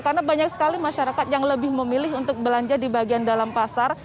karena banyak sekali masyarakat yang lebih memilih untuk belanja di bagian dalam pasar